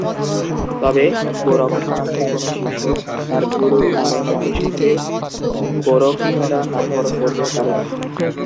তবে গোরক্ষনাথের কোনো শিষ্য তাঁর গুরুর নামে মহেশখালীর গোরখঘাটা নামকরণ করতেও পারেন।